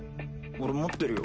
俺持ってるよ。